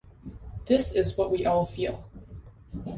This is what we all feel.